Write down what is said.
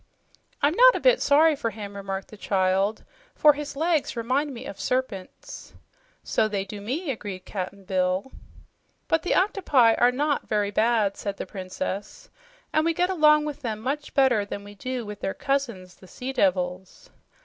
"I'm not a bit sorry for him," remarked the child, "for his legs remind me of serpents." "So they do me," agreed Cap'n Bill. "But the octopi are not very bad," said the Princess, "and we get along with them much better than we do with their cousins, the sea devils."